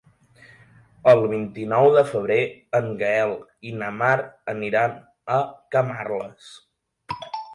El vint-i-nou de febrer en Gaël i na Mar aniran a Camarles.